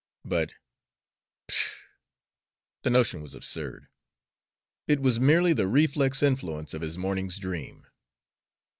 But, pshaw! the notion was absurd, it was merely the reflex influence of his morning's dream.